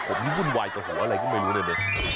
ผมนี่วุ่นวายกับหัวอะไรก็ไม่รู้ในนี้